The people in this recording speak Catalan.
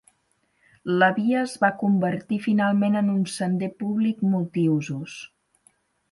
La via es va convertir finalment en un sender públic multiusos.